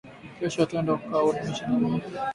Kesho twende uka nilimishe na mie